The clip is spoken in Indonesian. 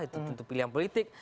itu tentu pilihan politik